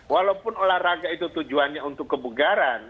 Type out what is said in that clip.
walaupun olahraga itu tujuannya untuk kebugaran